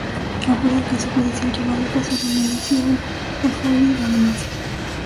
Aborda el caso judicial llamado ‘El caso Dominici’, o ‘El affaire Dominici’.